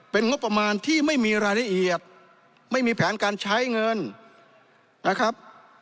เป็นงบประมาณที่ไม่มีรายละเอียดไม่มีแผนการใช้เงินนะครับ